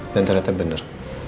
dan ternyata bener